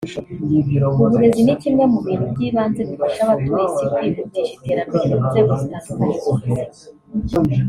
uburezi ni kimwe mu bintu by’ibanze bifasha abatuye isi kwihutisha iterambere mu nzego zitandukanye z’ubuzima